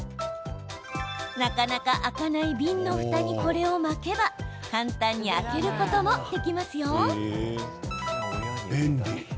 なかなか開かない瓶のふたにこれを巻けば簡単に開けることもできますよ。